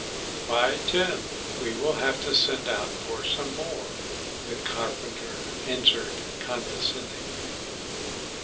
"Why, Jim, we will have to send out for some more," the carpenter answered condescendingly.